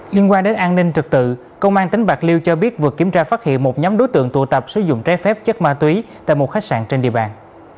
liên quan đến an ninh trực tự công an tỉnh bạc liêu cho biết vừa kiểm tra phát hiện một nhóm đối tượng tụ tập sử dụng trái phép chất ma túy tại một khách sạn trên địa bàn